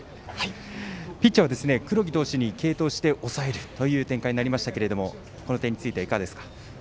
ピッチャーは、黒木投手に継投して抑えるという展開となりましたがこの点についてはいかがですか？